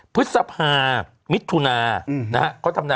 พฤศภามิทุนา